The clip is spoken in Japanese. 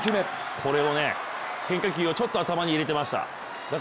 これをね、変化球をちょっと頭に入れてました。